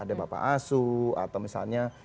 ada bapak asu atau misalnya